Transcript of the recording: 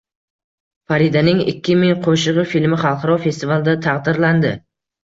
Faridaning ikki ming qo‘shig‘i filmi xalqaro festivalda taqdirlandi